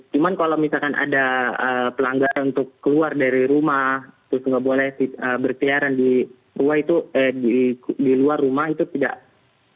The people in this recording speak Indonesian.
cuma kalau misalkan ada pelanggaran untuk keluar dari rumah terus tidak boleh berkejaran di luar rumah itu tidak ada